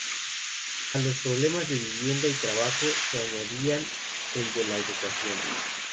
A los problemas de vivienda y trabajo se añadía el de la educación.